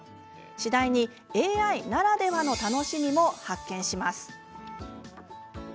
次第にＡＩならではの楽しみも発見します。